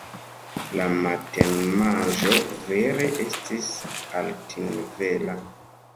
La matenmanĝo vere estis altnivela.